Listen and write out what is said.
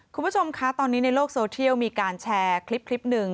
คุณผู้ชมคะตอนนี้ในโลกโซเทียลมีการแชร์คลิปหนึ่ง